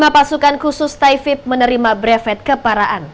tiga puluh lima pasukan khusus taifib menerima brevet keparaan